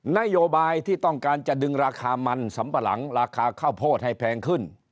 นโยบายที่ต้องการจะดึงราคามันสำปะหลังราคาข้าวโพดให้แพงขึ้น